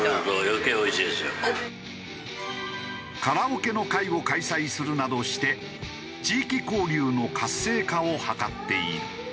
カラオケの会を開催するなどして地域交流の活性化を図っている。